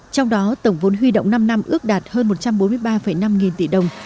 trong đó tổng vốn huy động năm năm ước đạt hơn một trăm bốn mươi ba năm nghìn tỷ đồng